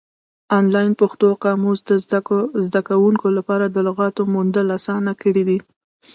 آنلاین پښتو قاموسونه د زده کوونکو لپاره د لغاتو موندل اسانه کړي دي.